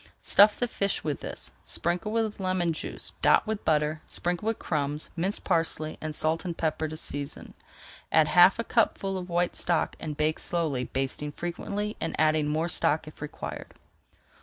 Stuff the fish with this, sprinkle with lemon juice, dot with butter, sprinkle with crumbs, minced parsley, and salt and pepper to season. Add half a cupful of white stock and bake slowly, basting frequently and adding more stock if required.